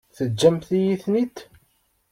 Teǧǧamt-iyi-ten-id?